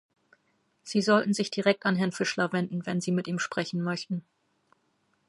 Sie sollten sich direkt an Herrn Fischler wenden, wenn Sie mit ihm sprechen möchten.